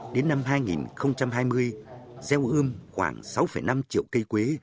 đến năm hai nghìn hai mươi gieo ươm khoảng sáu năm triệu cây quế